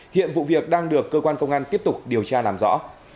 hiện vụ việc đang được cơ quan công an tiếp tục điều tra làm rõ